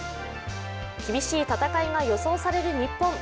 厳しい戦いが予想される日本。